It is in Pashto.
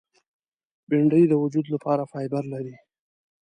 بېنډۍ د وجود لپاره فایبر لري